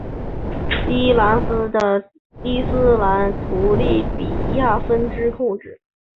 而包括首都的黎波里在内的许多城市被伊斯兰主义民兵或伊斯兰国利比亚分支控制。